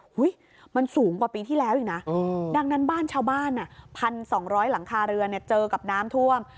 หุ้ยมันสูงกว่าปีที่แล้วอีกน่ะเออดังนั้นบ้านชาวบ้านอ่ะพันสองร้อยหลังคาเรือเนี่ยเจอกับน้ำท่วม